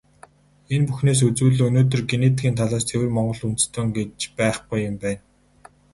Энэ бүхнээс үзвэл, өнөөдөр генетикийн талаас ЦЭВЭР МОНГОЛ ҮНДЭСТЭН гэж байхгүй юм байна.